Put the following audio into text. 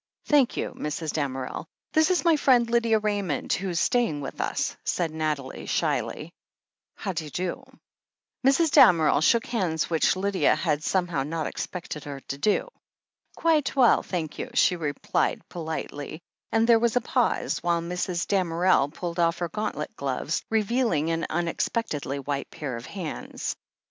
"Thank you, Mrs. Damerel. This is my friend, Lydia Raymond, who's staying with us," said Nathalie shyly. "Howd'ydo?" Mrs. Damerel shook hands, which Lydia had some how not expected her to do. "Quite well, thank you," she replied politely, and 276 THE HEEL OF ACHILLES there was a pause, while Mrs. Damerel pulled off her gauntlet gloves, revealing an unexpectedly white pair of hands.